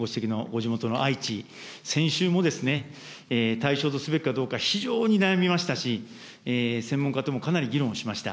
地元の愛知、先週も対象とすべきかどうか、非常に悩みましたし、専門家ともかなり議論をしました。